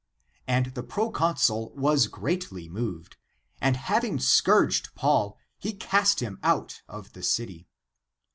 And the proconsul was greatly moved; and having scourged Paul, he cast him out of the city.